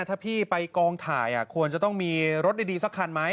ถ้าพี่ไปกองถ่ายควรจะต้องมีรถดีสักคันไหม